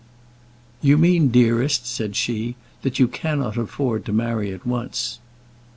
"You mean, dearest," said she, "that you cannot afford to marry at once."